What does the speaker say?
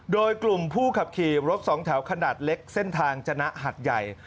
โดยกลุ่มผู้ขับขี่รถสองแถวขนาดเล็กเส้นทางจนะหัดใหญ่